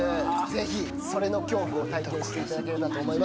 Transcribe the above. ぜひ「それ」の恐怖を体験していただければと思います。